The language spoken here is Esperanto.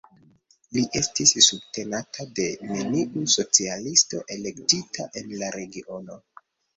Li estis subtenata de neniu socialisto elektita en la regiono.